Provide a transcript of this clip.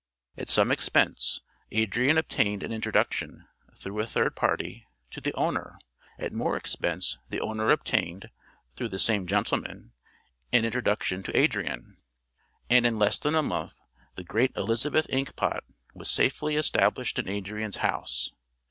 At some expense Adrian obtained an introduction, through a third party, to the owner, at more expense the owner obtained, through the same gentleman, an introduction to Adrian; and in less than a month the great Elizabeth Ink pot was safely established in Adrian's house.